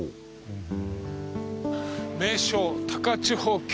名勝高千穂峡